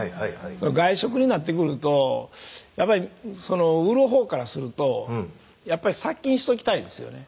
外食になってくるとやっぱり売るほうからするとやっぱり殺菌しときたいですよね。